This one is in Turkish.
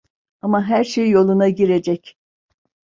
Ama her şey yoluna girecek.